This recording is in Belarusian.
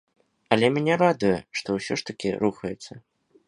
Але мяне радуе, што ўсё ж такі рухаецца.